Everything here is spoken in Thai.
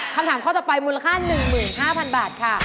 คำถามข้อต่อไปมูลค่า๑๕๐๐๐บาทค่ะ